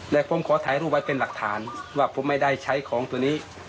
แต่ผมขอถ่ายรูปไว้เป็นหลักฐานว่าผมไม่ได้ใช้ของตัวนี้